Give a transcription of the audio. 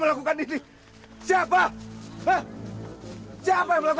terima kasih dan lagi maaf penyayang